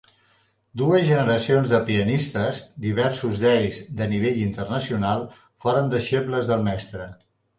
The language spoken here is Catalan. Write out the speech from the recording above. Dues generacions de pianistes –diversos d'ells de nivell internacional—foren deixebles del mestre.